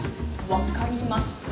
分かりました。